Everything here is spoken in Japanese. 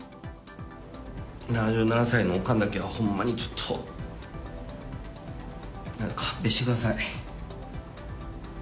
７７歳のおかんだけはほんまにちょっと、勘弁してください。